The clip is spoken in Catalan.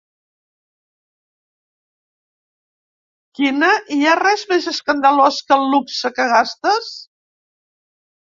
Quina? Hi ha res més escandalós que el luxe que gastes?